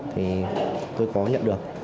thì tôi có nhận được